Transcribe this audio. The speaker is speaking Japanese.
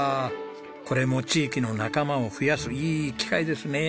これも地域の仲間を増やすいい機会ですね。